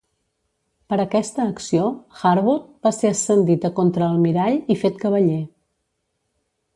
Per aquesta acció, Harwood va ser ascendit a contraalmirall i fet cavaller.